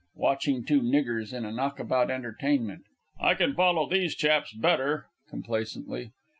(watching two Niggers in a Knockabout Entertainment). I can follow these chaps better. [_Complacently.